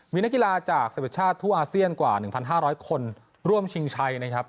มีนักกีฬาจาก๑๑ชาติทั่วอาเซียนกว่า๑๕๐๐คนร่วมชิงชัยนะครับ